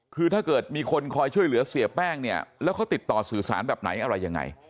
คือถ้าเกิดมีคนช่วยเหลือเสียแป้งแล้วเขาติดต่อสื่อสารอะไรยังไง